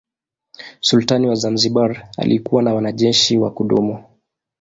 Sultani wa Zanzibar alikuwa na wanajeshi wa kudumu.